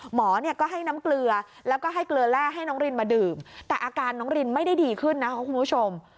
หมอเนี่ยก็ให้น้ำเกลือแล้วก็ให้เกลือแร่ให้น้องรินมาดื่มแต่อาการน้องรินไม่ได้ดีขึ้นนะคะคุณผู้ชม